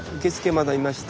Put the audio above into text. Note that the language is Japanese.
まだいまして。